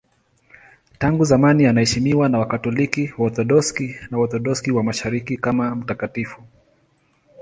Tangu zamani anaheshimiwa na Wakatoliki, Waorthodoksi na Waorthodoksi wa Mashariki kama mtakatifu.